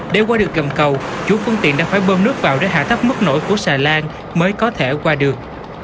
để qua được gầm cầu chủ phương tiện đã phải bơm nước vào để hạ thấp mức nổi của xà lan mới có thể qua được